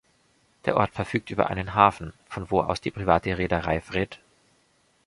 Der Ort verfügt über einen Hafen, von wo aus die private Reederei Fred.